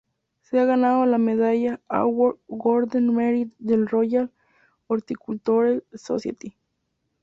Se ha ganado la medalla Award of Garden Merit de la Royal Horticultural Society.